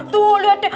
tuh liat deh